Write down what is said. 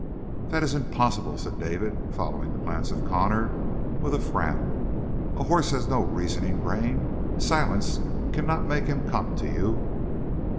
"That is impossible," said David, following the glance of Connor with a frown. "A horse has no reasoning brain. Silence cannot make him come to you."